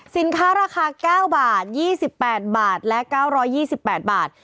สินค้าราคา๙บาท๒๘บาทและ๙๒๘บาท